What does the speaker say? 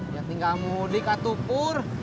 ya tinggal mudik kak tupur